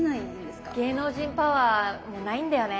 芸能人パワーもうないんだよね。